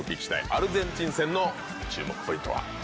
アルゼンチン戦の注目ポイントは？